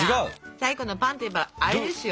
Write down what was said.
「最古のパン」といえばあれですよ。